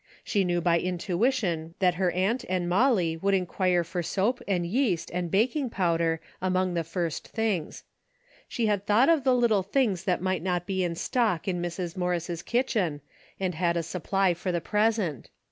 She knew by intuition that her aunt and Molly would enquire for soap and yeast and baking powder among the first things. She had thought of the little things that might not be in stock in Mrs. Morris' kitchen and had a supply for the present.